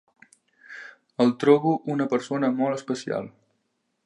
El trobo una persona molt especial.